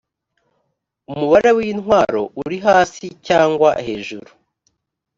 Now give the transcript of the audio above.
umubare w intwaro uri hasi cyangwa hejuru